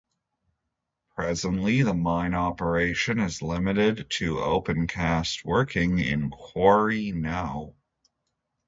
Presently the mine operation is limited to opencast working in Quarry no.